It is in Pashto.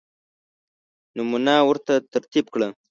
نمونه ورته ترتیب کړه.